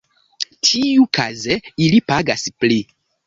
Tiukaze ili pagas pli.